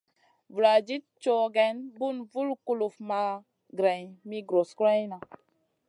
Vuladid cow geyn, bun vul kuluf ma greyn mi gros goroyna.